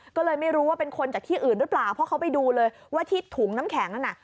ก็เลยไม่รู้ว่าเป็นคนจากที่อื่นหรือเปล่าเพราะเขาไปดูเลยว่าที่ถุงน้ำแข็งนั้นน่ะ